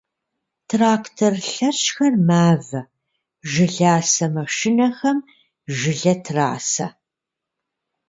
Трактор лъэщхэр мавэ, жыласэ машинэхэм жылэ трасэ.